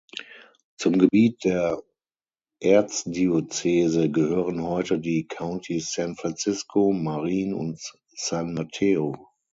Zum Gebiet der Erzdiözese gehören heute die Countys San Francisco, Marin und San Mateo.